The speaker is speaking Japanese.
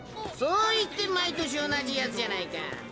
そう言って毎年同じやつじゃないか。